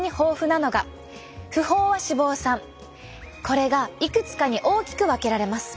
これがいくつかに大きく分けられます。